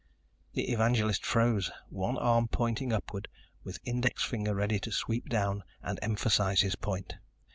The evangelist froze, one arm pointing upward, with index finger ready to sweep down and emphasize his point.